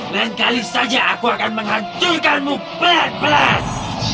lain kali saja aku akan menghancurkanmu berbelas